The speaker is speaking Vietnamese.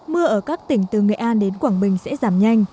mưa ở các tỉnh từ nghệ an đến quảng bình sẽ giảm nhanh